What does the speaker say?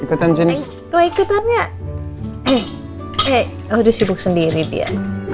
oh disibuk sendiri dia